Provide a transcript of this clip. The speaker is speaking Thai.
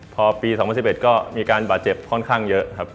พอปี๒๐๑๑ก็มีการบาดเจ็บค่อนข้างเยอะครับ